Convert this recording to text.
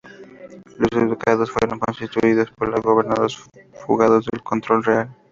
Los ducados fueron constituidos por longobardos fugados del control real.